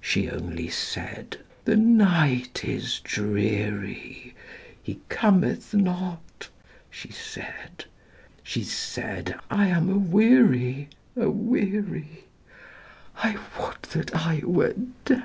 She only said, "The night is dreary, He cometh not," she said; She said, "I am aweary, aweary, I would that I were dead!"